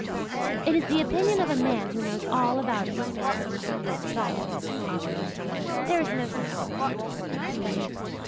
"It is the opinion of a man who knows all about it," said Cousin Sophia solemnly. "There is no such person," retorted Susan.